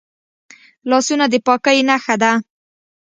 لاسونه د پاکۍ نښه ده